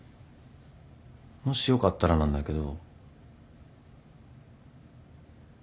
もしよかったらなんだけど。